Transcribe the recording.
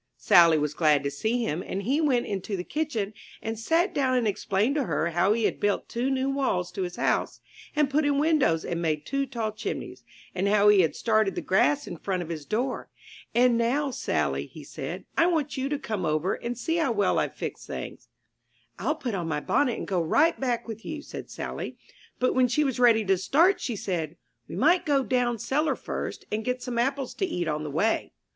Sally was glad to see him, and he went into the kitchen and sat down and explained to her how he had built two new walls to his house and put in windows and made two tall chimneys, and how he had started the grass in front of his door. "And now, Sally," said he, ''I want you to come over and see how well I've fixed things.'* *'ril put on my bonnet and go right back with you," said Sally; but when she was ready to start she said, *'We might go down cellar first and get some apples to eat on the way."